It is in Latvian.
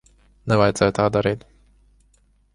Nevajadzēja tā darīt.